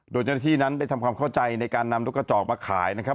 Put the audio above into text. โดยเจ้าหน้าที่นั้นได้ทำความเข้าใจในการนำนกกระจอกมาขายนะครับ